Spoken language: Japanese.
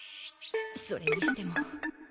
それにしても。